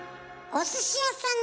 お寿司屋さん